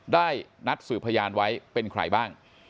ได้นัดสืบพยานไว้เป็นใครบ้าง